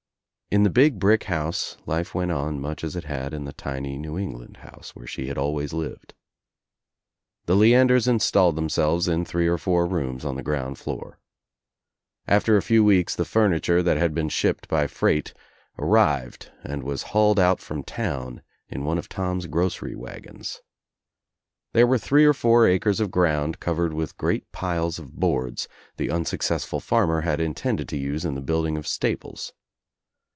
In the big brick house life went on much as It had In the tiny New England house where she had always lived. The Leanders installed themselves in three or four rooms on the ground floor. After a few weeks the furniture that had been shipped by freight arrived and was hauled out from town in 142 THE TRIUMPH OF THE EGG one of Tom's grocery wagons. There were three or four acres of ground covered with great piles of boards the unsuccessful farmer had Intended to use in the building of stables.